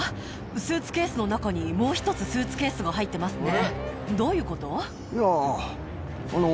スーツケースの中にもう１つスーツケースが入ってますね。